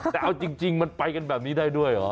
แต่เอาจริงมันไปกันแบบนี้ได้ด้วยเหรอ